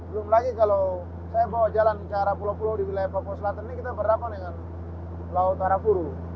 belum lagi kalau saya bawa jalan ke arah pulau pulau di wilayah papua selatan ini kita berhadapan dengan laut harapuru